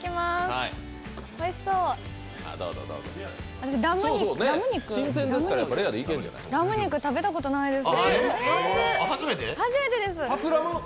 おいしそうラム肉食べたことないです。